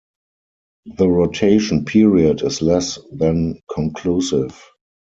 The rotation period is less than conclusive.